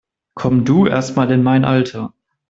Komm du erst mal in mein Alter!